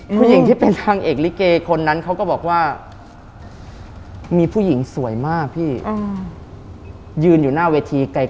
ผู้หญิงที่เป็นนางเอกลิเกคนนั้นเขาก็บอกว่ามีผู้หญิงสวยมากพี่ยืนอยู่หน้าเวทีไกล